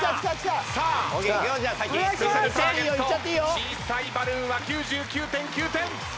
小さいバルーンは９９．９点。